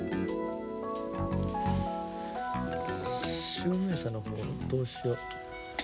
集明社のほうどうしよう。